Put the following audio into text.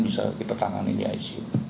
bisa kita tangani di ic